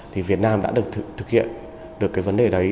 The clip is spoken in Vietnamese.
thì việt nam đã thực hiện được vấn đề đấy